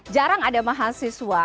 jarang ada mahasiswa